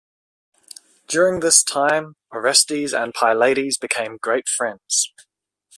During this time, Orestes and Pylades became great friends.